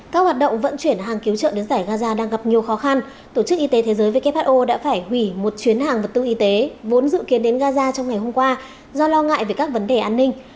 các hoạt động vận chuyển hàng cứu trợ đến giải gaza đang gặp nhiều khó khăn tổ chức y tế thế giới who đã phải hủy một chuyến hàng vật tư y tế vốn dự kiến đến gaza trong ngày hôm qua do lo ngại về các vấn đề an ninh